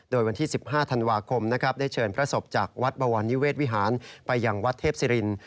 โดยวันที่๑๕ธันวาคมนะครับได้เชิญพระศพจากวัดบวรนิเวศวิหารไปยังวัดเทพศิริน